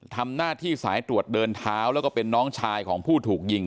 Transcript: ทำหน้าที่สายตรวจเดินเท้าแล้วก็เป็นน้องชายของผู้ถูกยิง